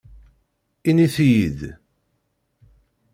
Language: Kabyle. Init-iyi-d.